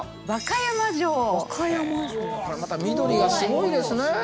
また緑がすごいですね。